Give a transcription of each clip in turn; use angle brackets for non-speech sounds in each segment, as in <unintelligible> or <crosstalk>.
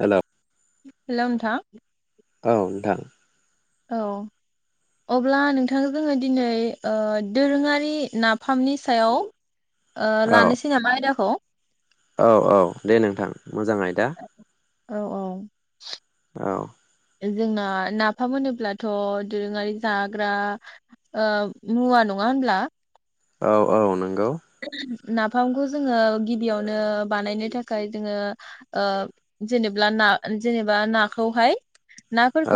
Hello hello नोंथां। औ नोंथां। औ अब्ला नोंथां जोङो दिनै ओ दोरोङारि नाफामनि सायाव ओ औ लानोसै नामा आयदाखौ। औ औ दे नोंथां मोजाङै दा औ औ औ। जोंना नाफाम मोनोब्लाथ दोरोङारि जाग्रा ओ मुवा नङा होनब्ला। औ औ नों गौ। नाफामखौ जोङो गिबियावनो बानायनो थाखाय जोङो ओ जेनेबा ना जेनेबा नाखौहाय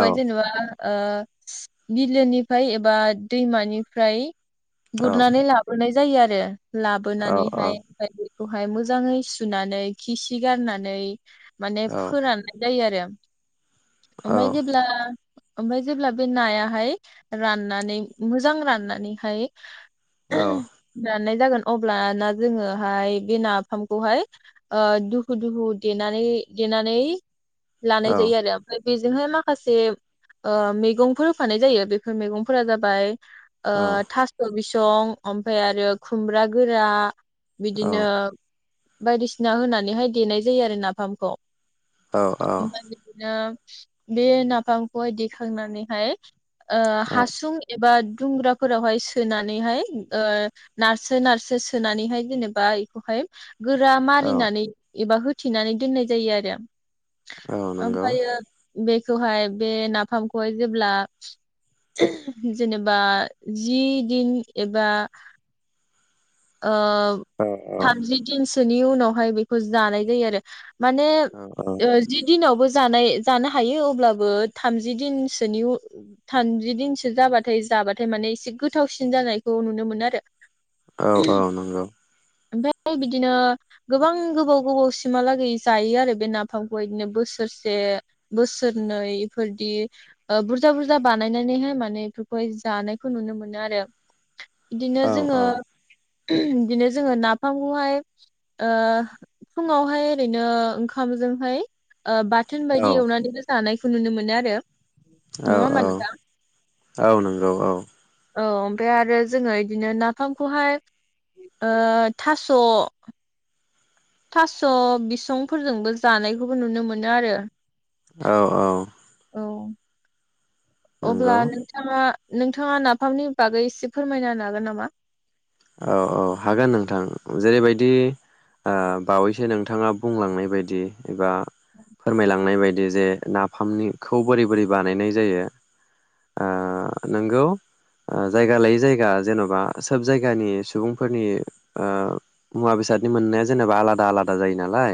औ जेनेबा ओ बिलोनिफ्राय एबा दैमानिफ्राय औ गुरनानै लाबोनाय जायो आरो औ औ लाबोनानैहाय बिबायदि खौहाय मोजाङै सुनानै खि सि गारनानै माने औ फोराननाय जायो आरो उम औ ओमफाय जेब्ला ओमफ्राय जेब्ला बे नायाहाय राननानै मोजां राननानैहाय औ राननाय जागोन अब्लाना जोङोहाय बे नाफामखौहाय ओ दुखु दुखु देनानै देनानै लानाय जायो आरो ओमफाय बेजोंहाय माखासे ओ मैगंफोर होफानाय जायो बेफोर मैगंफोरा जाबाय ओ थास बिसं दं ओमफाय आरो खुमब्रा गोरा बिदिनो बायदिसिना होनानैहाय देनाय जायो आरो नाफामखौ। औ औ ओमफाय बिदिनो बे नाफामखौहाय देखांनानैहाय ओ हासुं एबा दुंग्राफोरावहाय सोनानैहाय ओ नारसो नारसो सोनानैहाय जेनेबा बेखौहाय गोरा औ मारिनानै एबा होथिनानै दोननाय जायो आरो औ नंगौ ओमफायो बे बेखौहाय बे नाफामखौहाय जेब्ला जेनेबा जि दिन एबा ओ औ औ थामजि दिनसो नि उनावहाय बेखौ जानाय जायो आरो माने जि दिनावबो जानाय जानो हायो अब्लाबो थामजि दिनसोनि थामजि दिनसो जाबाथाय जाबाथाय माने एसे गोथावसिन जानायखौ नुनो मोनो आरो औ औ नंगौ बिदिनो गोबां गोबाव गोबाव सिमहालागै जायो आरो बे नाफामखौहाय बिदिनो बोसोरसे बोसोरनै इफोरदि बुरजा बुरजा बानायनानैहाय माने बेफोरखौहाय जानायखौ नुनो मोनो आरो बिदिनो औ जोङो बिदिनो जोङो नाफामखौहाय ओ फुङावहाय ओरैनो ओंखामजोंहाय ओ बाथोन औ बायदि एवनानैबो जानाय खौ नुनो मोनो आरो औ नङा होमबा नोंथां औ औ नंगौ औ औ ओमफ्राय आरो जोङो इदिनो नाफामखौहाय ओ थास' थास' बिसंफोरजोंबो जानायखौबो नुनो मोनो आरो औ औ औ अब्ला नंगौ नोंथाङा नोंथाङा नाफामनि बागै एसे फोरमायना होनो हागोन नामा औ औ हागोन नोंथां जेरैबायदि ओ बावैसो नोंथाङा बुंलांनाय बायदि एबा फोरमायलांनाय बाय बे जे नाफामनि खौ बोरै बोरै बानायनाय जायो ओ नंगौ जायगा लायि जायगा जेनबा सोब जा गानि सुबुंफोरनि ओ मुवा बेसादनि मोननाया जेनेबा आलादा आलादा जायो नालाय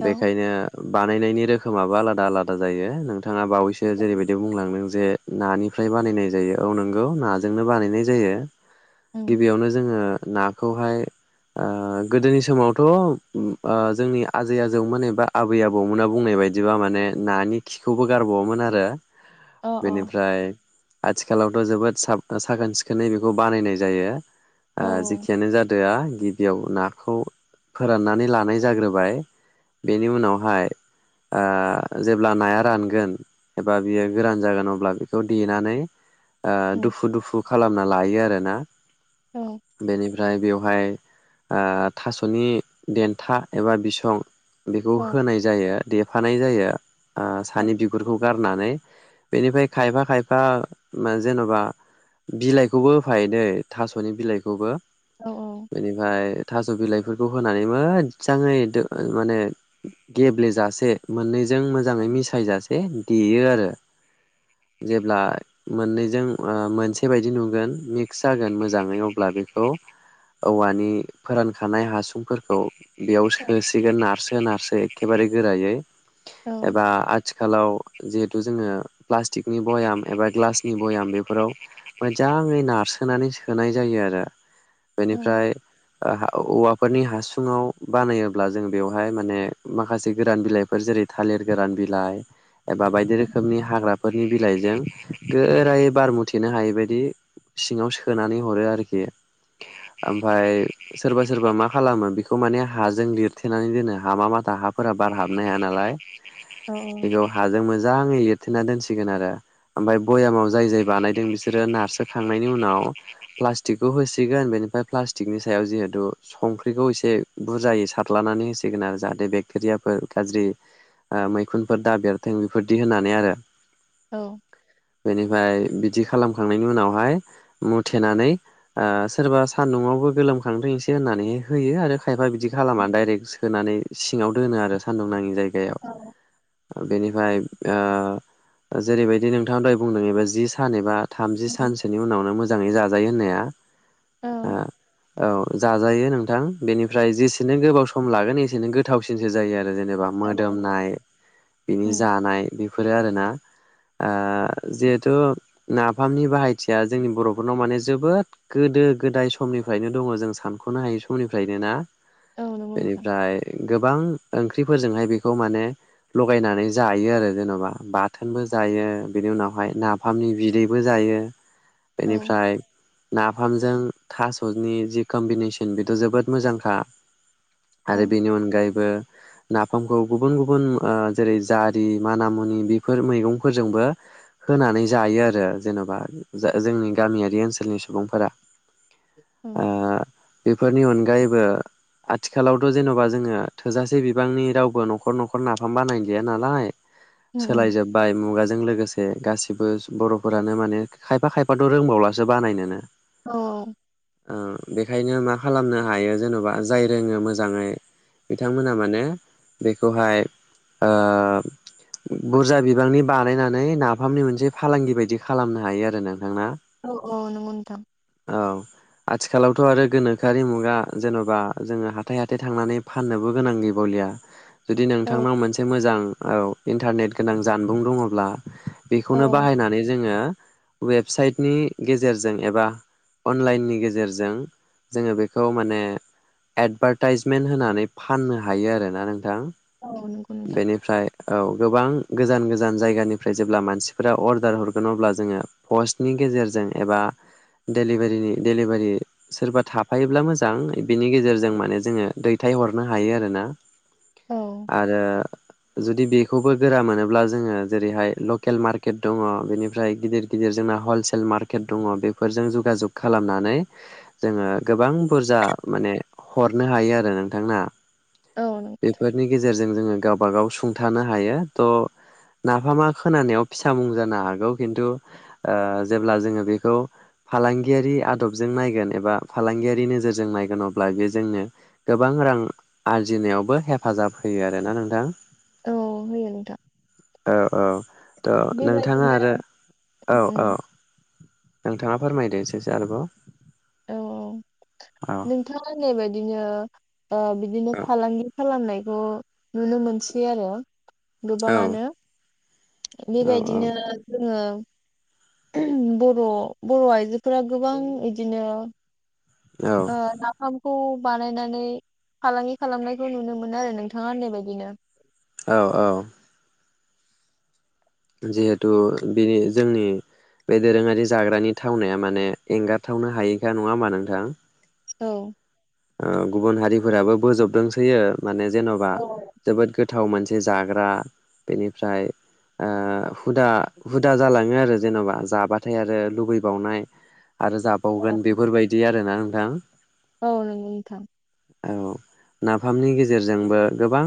औ बेखायनो बा नायनायनि रोखोमाबो आलादा आलादा जायो नों थाङा बावैसो जेरैबायदि बुंलांदों जे नानिफ्राय बानायनाय जायो, औ नोंगौ नाजोंनो बानायनाय जायो। उम गिबियावनो जोङो। नाखौहाय, ओ गोदोनि समावथ' जोंनि आजै आजौमोन एबा आबै आबौमोना बुंनाय बदिबा माने नानि खिखौबो गारबाववामोन आरो। अ बेनिफ्राय आथिखालावथ' जोबोद सा साखोन सिखोनै बेखौ बानायनाय जायो। औ जेखियानो जादोआ गिबियाव नाखौ फोराननानै लानाय जाग्रोबाय, बेनि उनावहाय ओ जेब्ला नाया रानगोन एबा बियो गोरान जागोन अब्ला बेखौ देनानै ओ उम दुफु दुफु। खालामना लायो आरोना। औ बेनि ओमफ्राय बेवहाय ओ थास'नि देन्था एबा बिसं। बेखौ औ होनाय जायो। देफानाय जायो। ओ औ सानि बिगुरखौ गार नानै, बिनिफ्राय खायफा खायफा मा जेनेबा बिलाइखौबो होफायोदै थास' फोरनि बिलाइखौबो औ बेनिफाय थास' बिलाइफोरखौ होनानै मोजांङै, दो माने गेब्लेजासे मोननैजों मोजांङै मिसायजासे देयो आरो जेब्ला मोननैजों ओ मोनसे बायदि नुगोन मिक्स जागोनो, मोजांङै अब्ला बेखौ औवानि फोरानखानाय हासुंफोरखौ बेयाव सोसिगोन नारसो नारसो एखेबारे गोरायै औ एबा आ आथिखालाव जिहेथु जोंङो प्लास्टिकनि ब'याम एबा ग्लासनि ब'याम बेफोराव मोजांङै नारसोनानै सोनाय जायो आरो। बेनिफ्राय औवाफोरनि हासुङाव बानायोब्ला जों बेवहाय माने, माखासे गोरान बिलाइफोर जेरै थालिर गोरान बिलाइ एबा बायदि रोखोमनि हाग्रा होरनि बिलाइजों गोरायै बारमुथेनो हायैबायायदि, सिंगाव सोनानै हरो आरोखि, ओमफाय सोरबा सोरबा मा खालामो बेखौ माने हाजों लिरथेनानै दोनो हा मा माथा हाफोरा बार हाबनो हाया नालाय। औ बेखौ हाजों मोजांङै। होथेना दोनसिगोन आरो, ओमफय भ'यामाव जाय जाय बानायदों बिसोरो नारसोखांनायनि उनाव प्लास्टिकखौ होसिगोन, बेनिफ्राय प्लास्टिकनि सायाव जिहेथु संख्रिखौ एसे बुरजायै सारलानानै होसिगोन आरो। जाहाथे बेक्टेरियाफोर गाज्रि मैखुनफोर दाबरथों बेफोरदि होनानै आरो। औ बेनिफाय बिदि खालामखांनायनि उनावहाय मुथेनानै ओ सोरबा सान्दुंआव गोलोमखांथोंसै होननानै होयो आरो। खायफा बिदि खालामा दाइरेक्ट होनानै सिङाव दोनो आरो सान्दुं नाङि जायगायाव औ जायगायाव बेनिफ्राय ओ जेरैबायदि नोंथां द'हाय बुंनाय एबा जि सान एबा थामजि सानसोनि उनावनो मोजां जाजायो होननाया <unintelligible> औ जाजायो नोंथां बेनिफ्राय जेसेनो गोबाव सम लागोन एसेनो गोथावसिनसो जायो आरो जे जेनेबा मोदोमनाय बिनि उम जानाय बेफोरो आरो ना। ओ जिहेथु नाफामनि बाहायथिया जोंनि बर' खुनु माने जोबोद गोदो गोदाय समनिफ्रायनो दंङ जों सानख'नो हायै समनिफ्रायनो ना? औ नंगौ नोंथां बेनिफ्राय गोबां। ओंख्रिफोरजोंहाय बेखौ माने लगायनानै जायो आरो जेन'बा बाथोनबो जायो बेनि उनावहाय नाफामनि बिदैबो जायो,। औ बेनिफ्राय ना नाफामजों थास'नि जि कम्बिनेसन बेथ' जोबोद मोजांखा। औ आरो उम बेनि अनगायैबो नाफामखौ गुबुन गुबुन ओ जेरै जारि, माना-मुनि बेफोर मैगंफोरजोंबो होनानै जायो आरो जेन'बा ज जोंनि गामियारि ओनसोलनि सुबुंफोरा। ओं। ओ बेफोरनि अनगायैबो आथिखालावथ' जेन'बा जोङो थोजासे बिबांनि रावबो न'खर न'खर नाफाम बानाय गैया नालाय उम उम सोलायजोबबाय मुगाजों लोगोसे। जे गासिबोस बर'फोरानो माने खायफा खायफ फाथ' रोंबावलासो बानायनोनो। औ ओं बेख ओंखायनो मा खालामनो हायो जेन'बा जाय रोङो मोजाङै बिथांमोना माने बेखौहाय ओ बुरजा बिबांनि बानायनानै नाफामनि मोनसे फालांगि बायदि खालामनो हायो आरो नों। औ औ नोंगौ नोंथां। औ आथिखालावथ' आरो गोनोखोआरि मुगा जेन'बा जोङो हाथाइ हाथाइ थांनानै फाननोबो गोनां गैबावलिया। जुदि औ नोंथांनाव मोनसे मोजां औ इन्टारनेट गोनां जानबुं दङब्ला औ बेखौनो बाहायनानै जोङो वेबसाइटनि गेजेरजों एबा अनलाइननि गेजेरजों जोङो बेखौ माने एडभारटाइजमेन्ट होनानै फाननो हायो आरोना नोंथां। औ नंगौ नोंथां बेनिफ्राय औ गोबां गोजान गोजान जायगानिफ्राय जेब्ला मानसिफोरा अर्डार हरगोन अब्ला जोङो पस्टनि गेजेरजों एबा डेलिभारिनि डेलिभारि सोरबा थाफायोब्ला मोजां बिनि गेजेरजों माने जोङो दैथायहरनो हायो आरोना। औ। आरो जुदि बेखौबो गोरा मोनोब्ला जोङो जेरैहाय लकेल मार्केट दङ बेनिफ्राय गिदिर गिदिर जोंना हलसेल मार्केट दङ बेफोरजों जगाजग खालामनानै जोङो गोबां बुरजा माने हरनो हायो आरो नोंथांना। औ बेेफोरनि जों जोङो गावबा-गाव सुंथानो हायो थह नाफामा खोनानायाव फिसा मुं जानो हागौ खिन्थु ओ जेब्ला जोङो बेखौ फालांगियारि आदबजों नायगोन एबा फालांगियारि नोजोरजों नायगोन अब्ला बे जोंनो गोबां रां आरजिनायावबो हेफाजाब होयो आरोना नोंथां। औ होयो नोंथां। औ औ। थ' नोंथाङा बेबायदिनो आरो औ उम औ। नोंथाङा फोरमायदो एसेसो आरोबाव। औ औ नोंथाङा होननाय बायदिनो ओ बिदिनो फालांगि खालामनायखौ नुनो मोनसै आरो। औ गोबाङानो औ बेबायदिनो जोङो बर' बर' आइजोफोरा गोबां इदिनो औ ओ नाफाम खौ बानायनानै फालांगि खालामनायखौ नुनो मोनो आरो नोंथाङा होननाय बायदिनो। औ औ। जिहेथु बिनि जोंनि बे दोरोङारि जाग्रानि थावनाया माने एंगार थावनो हायैखा नङा होनबा नों थां। औ। ओ गुबुन हारिफोराबो बोजबदोंसोयो। माने जेन'बा औ जोबोद गोथ गोथाव मोनसे जाग्रा बेनिफ्राय ओ हुदा हुदा जालाङो आरो जेन'बा जाबाथाय आरो लुबैबावनाय। आरो जाबावगोन बेफोरबायदि आरो ना। नोंथां। औ नंगौ नोंथां। औ नाफामनि गेजेरजोंबो गोबां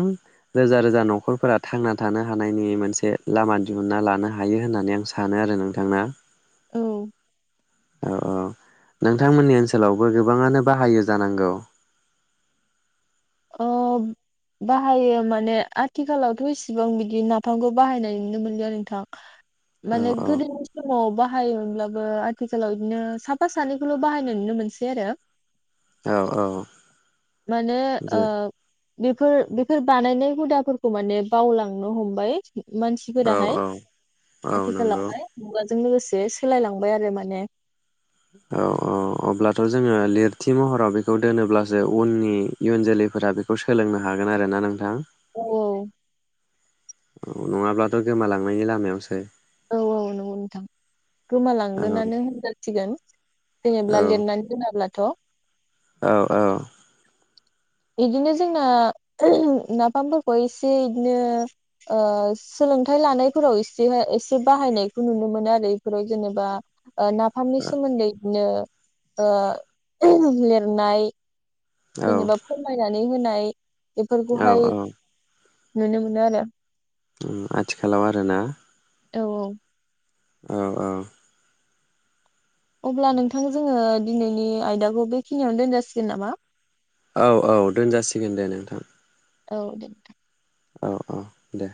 रोजा रोजा न'खरफोरा थांना थानो हानायनि मोनसे लामा दिहुनन्ना लानो हायो होननानै आं सानो आरो नोंथां ना। औ औ औ नोंथांमोननि ओनसोलावबो गोबाङानो बाहायो जानांगौ। ओ बाहायो माने आथिखालावथ' इसिबां बिदि नाफामखौ बाहायनाय नुनो मोनलिया आरो नोंथां। औ माने औ गोदोनि समावबा बाहायोमोनब्लाबो आथिखालाव बिदिनो साफा सानैखौल' बाहायनाय नुनो मोनसै आरो। औ औ। माने ओ जे बेफोर बेफोर बानायनाय हुदाफोरखौ माने बावलांनो हमबाय। औ मानसिफोराहाय औ औ नंगौ आथिखालावहाय <unintelligible> जों लोगोसे सोलायलांबाय आरो माने। औ औ अब्लाथ' जोङो लिरथि महराव बेखौ दोनोब्लासो उननि इयुन जोलैफोरा बेखौ सोलोंनो हागोन आरोना नोंथां। औ। औ नङाब्लाथ' गोमालांनायनि लामायावसै औ औ नंगौ नोंथां औ गोमालांगोनानो होनजासिगोन जेनेब्ला लिरनानै दोनाब्लाथ' औ औ इदिनो जोंना नाफामफोरखौ एसे बिदिनो सोलोंथाइ लानायफोराव एसे एसे बाहायनायखौ नुनो मोनो आरो इफोराव जेनेबा ओ नाफामनि सोमोन्दै बिदिनो ओ लिरनाय औ जेनेबा फोरमायनानै नानै होनाय औ बेफोरखौहाय औ नुनो मोनो आरो आथिखालाव आरोना औ औ औ औ अब्ला नोंथां जोङो दिनैनि आयदाखौ बेखिनियावनो दोनजासिगोन नामा औ औ दोनजासिगोन दे नोंथां औ दे औ औ दे